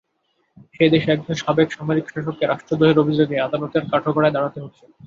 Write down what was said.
সেই দেশে একজন সাবেক সামরিক শাসককে রাষ্ট্রদ্রোহের অভিযোগে আদালতের কাঠগড়ায় দাঁড়াতে হচ্ছে।